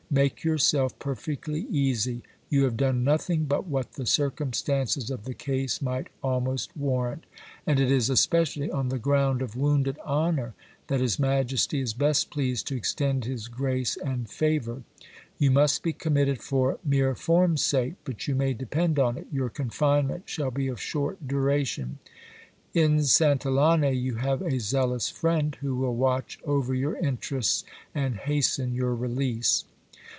Make yourself perfectly easy : you have done nothing but what the circumstances of the case might almost « arrant ; and it is especially on the ground of wounded honour, that his Majesty is best pleased to extend his grace and favour. You must be committed for mere form's sake ; but you may depend on it, your confinement shall be of short duration. In Santillane you have a zealous friend, who will watch over your interests, and hasten your release.